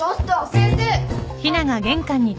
先生！